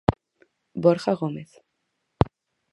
Borja Gómez.